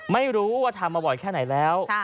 ไม่รู้ว่าทำมาบ่อยแค่ไหนแล้ว